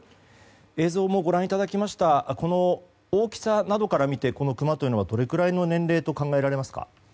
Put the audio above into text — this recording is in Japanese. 映像もご覧いただきましたが大きさなどから見てこのクマはどれくらいの年齢と考えられますか？